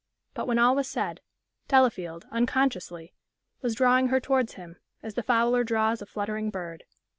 But when all was said, Delafield, unconsciously, was drawing her towards him, as the fowler draws a fluttering bird.